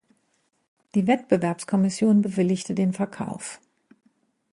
Die Wettbewerbskommission bewilligte den Verkauf.